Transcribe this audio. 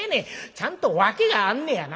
ちゃんと訳があんねやな。